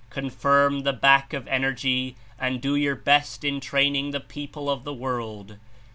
Confirm the back of energy and do your best In training the people of the world.